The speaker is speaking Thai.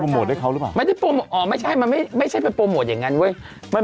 งานก่อนจากแอลูปก็ใช่ไม่ใช่มันไม่ใช่ไปโปรโมทอย่างนะเอ้ย